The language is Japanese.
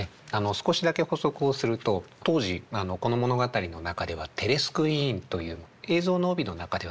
少しだけ補足をすると当時この物語の中ではテレスクリーンという「映像の帯」の中ではですね